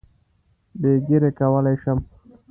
بې ږیرې کولای شم.